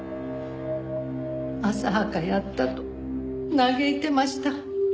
浅はかやったと嘆いてました。